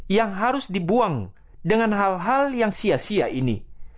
yang harus dibuang dengan hal hal yang sia sia ini